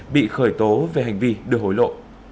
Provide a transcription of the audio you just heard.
bị khởi tố về hành vi được hối lộ